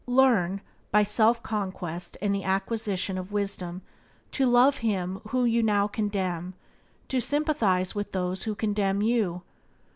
Learn, by self conquest and the acquisition of wisdom, to love him whom you now condemn, to sympathize with those who condemn you.